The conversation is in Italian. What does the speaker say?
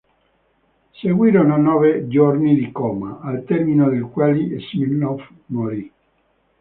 Seguirono nove giorni di coma, al termine dei quali Smirnov morì.